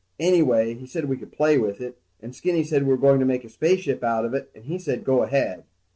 Anyway he said we could play with it, and Skinny said we were going to make a spaceship out of it, and he said go ahead.